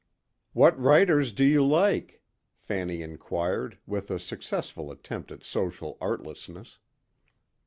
"What writers do you like?" Fanny inquired with a successful attempt at social artlessness.